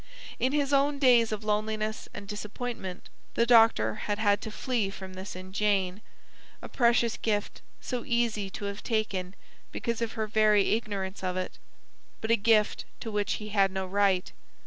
In his own days of loneliness and disappointment, the doctor had had to flee from this in Jane, a precious gift, so easy to have taken because of her very ignorance of it; but a gift to which he had no right.